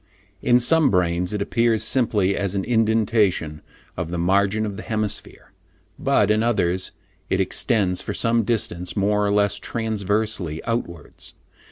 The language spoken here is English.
"In some brains it appears simply as an indentation of the margin of the hemisphere, but, in others, it extends for some distance more or less transversely outwards.